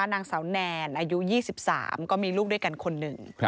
ตั้งแต่๓ก็มีลูกด้วยกันคนหนึ่ง